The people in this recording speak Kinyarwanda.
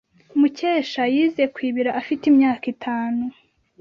Mukesha yize kwibira afite imyaka itanu.